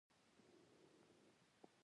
ولسواکي د قدرت د قانون تابع کول اسانه کوي.